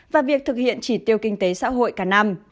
và việc thực hiện chỉ tiêu kinh tế xã hội cả năm